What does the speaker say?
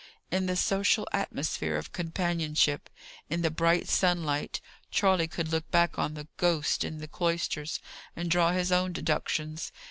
In the social atmosphere of companionship, in the bright sunlight, Charley could look back on the "ghost" in the cloisters, and draw his own deductions.